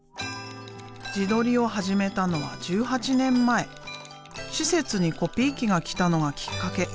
自撮りを始めたのは１８年前施設にコピー機が来たのがきっかけ。